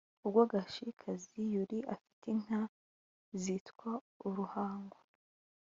ubwo gashikazi yuri afite inka zitwaga uruhango,